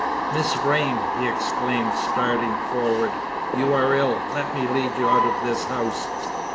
"Miss Vrain!" he exclaimed, starting forward, "you are ill! Let me lead you out of this house."